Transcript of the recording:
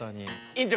院長